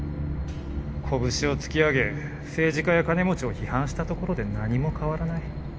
拳を突き上げ政治家や金持ちを批判したところで何も変わらない。